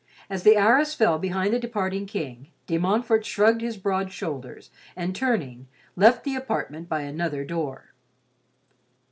As the arras fell behind the departing King, De Montfort shrugged his broad shoulders, and turning, left the apartment by another door.